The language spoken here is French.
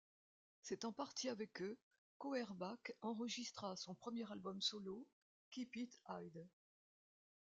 C'est en partie avec eux qu'Auerbach enregistra son premier album solo Keep It Hid.